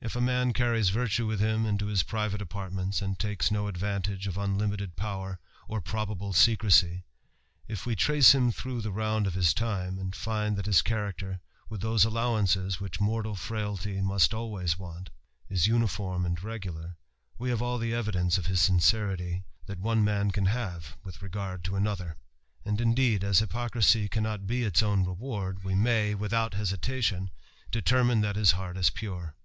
If a man carries virtue wilh him into his private apartments, and lakes no advantage of unlimited power or probable secrecy; if we trace him through the round of his time, and find that his character, with those allowances which mortal frailty must always want, is uniform and regular, we have all the evidence of his sincerity, that one man can have with regard to another : and, indeed, as hypocrisy cannot be its own reward, we may, without besitKtion, determine that his heart is pure.